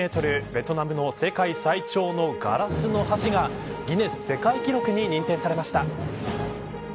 ベトナムの世界最長のガラスの橋がギネス世界記録に認定されました。